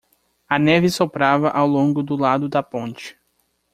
A neve soprava ao longo do lado da ponte.